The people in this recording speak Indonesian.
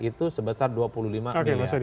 itu sebesar dua puluh lima miliar